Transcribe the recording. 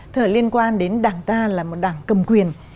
thời liên quan đến đảng ta là một đảng cầm quyền